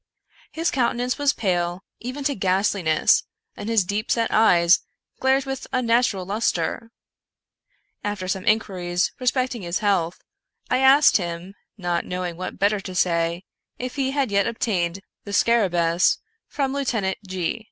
His countenance was pale even to ghastliness, and his deep set eyes glared with unnatural luster. After some inquiries respecting his health, I asked him, not knowing what better to say, if he had yet obtained the ^scarabcEus from Lieutenant G